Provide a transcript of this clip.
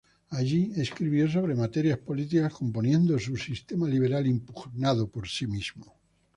Allí escribió sobre materias políticas, componiendo su "Sistema liberal impugnado por sí mismo".